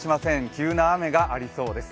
急な雨がありそうです。